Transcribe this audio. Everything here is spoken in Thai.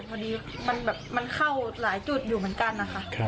พอดีมันแบบมันเข้าหลายจุดอยู่เหมือนกันนะคะ